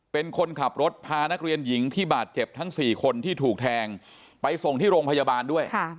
เป็นคนขับรถพานักเรียนหญิงที่บาดเจ็บทั้ง๔คนที่ถูกแทงไปส่งที่โรงพยาบาลด้วย